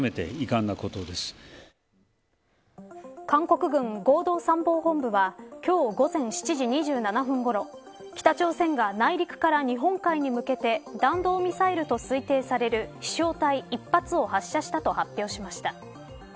韓国軍合同参謀本部は今日午前７時２７分ごろ北朝鮮が内陸から日本海に向けて弾道ミサイルと推定される飛翔体、１発を発射したと発表しました。